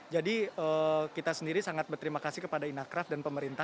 jadi kita sendiri sangat berterima kasih kepada inarkraft dan pemerintah